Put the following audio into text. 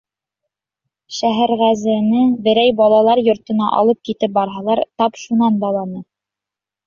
Шәһәрғәзене берәй балалар йортона алып китеп барһалар, тап шунан баланы.